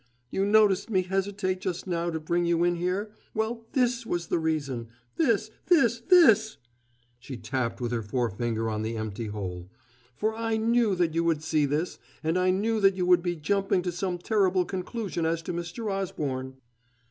You noticed me hesitate just now to bring you in here: well, this was the reason this, this, this " she tapped with her forefinger on the empty hole "for I knew that you would see this, and I knew that you would be jumping to some terrible conclusion as to Mr. Osborne."